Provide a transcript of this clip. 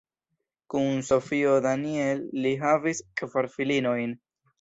Kun Sofio Daniel li havis kvar filinojn.